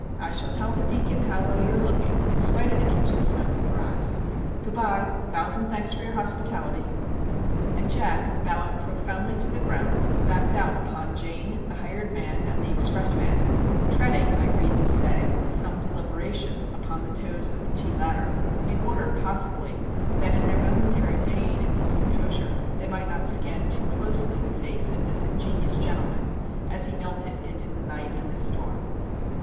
I shall tell the Deacon how well you are looking in spite of the kitchen smoke in your eyes. Good bye ! A thousand thanks for your hospitality.' And Jack, bowing profoundly to the ground, backed out upon Jane, the hired man, and the expressman, treading, I grieve to say, with some deliberation upon the toes of the two latter, in order a possibly, that in their momentary pain 30 MR. JACK HAMLIN'S MEDIATION and discomposure they might not scan too closely the face of this ingenious gentleman, as he melted into the night and the storm.